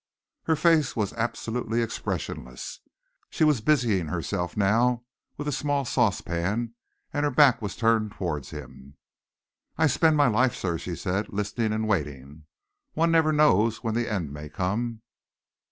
Her face was absolutely expressionless. She was busying herself now with a small saucepan, and her back was turned towards him. "I spend my life, sir," she said, "listening and waiting. One never knows when the end may come."